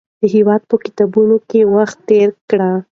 د هېواد په کتابتونونو کې وخت تېر کړئ.